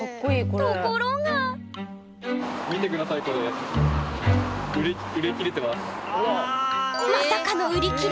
ところがまさかの売り切れ。